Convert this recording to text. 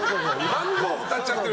番号歌っちゃってる。